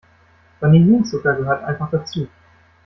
Vanillinzucker gehört einfach dazu.